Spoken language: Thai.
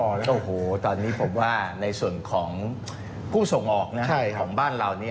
โอ้โหตอนนี้ผมว่าในส่วนของผู้ส่งออกของบ้านเรา